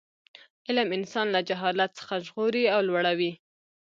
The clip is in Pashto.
علم انسان له جهالت څخه ژغوري او لوړوي.